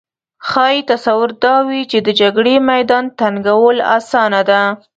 ښايي تصور دا وي چې د جګړې میدان تنګول اسانه ده